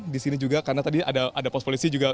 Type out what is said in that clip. di sini juga karena tadi ada pos polisi juga